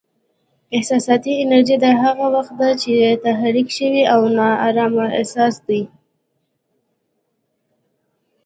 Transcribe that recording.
احساساتي انرژي: دا هغه وخت دی چې تحریک شوی او نا ارامه احساس دی.